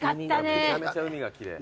めちゃめちゃ海が奇麗。